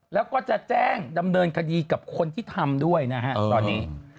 แล้วก็จะแจ้งดำเนินคดีกับคนที่ทำด้วยนะฮะตอนนี้